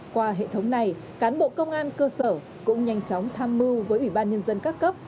qua hệ thống này cán bộ công an cơ sở cũng nhanh chóng tham mưu với ủy ban nhân dân các cấp